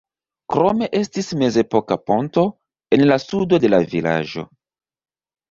Krome estis mezepoka ponto en la sudo de la vilaĝo.